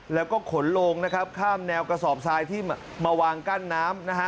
แล้วก็ขนลงข้ามแนวกระสอบทรายที่มาวางกั้นน้ำ